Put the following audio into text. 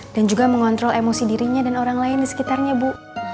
dan juga mengontrol emosi dirinya dan orang lain di sekitarnya bu